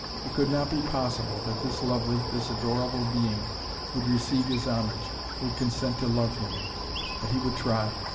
It could not be possible that this lovely, this adorable being would receive his homage, would consent to love him! But he would try.